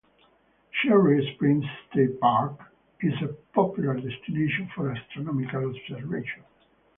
Cherry Springs State Park is a popular destination for astronomical observation.